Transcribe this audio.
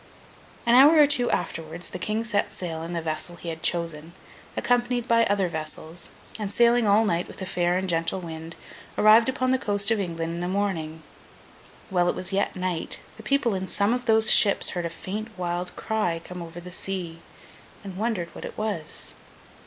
An hour or two afterwards, the King set sail in the vessel he had chosen, accompanied by other vessels, and, sailing all night with a fair and gentle wind, arrived upon the coast of England in the morning. While it was yet night, the people in some of those ships heard a faint wild cry come over the sea, and wondered what it was.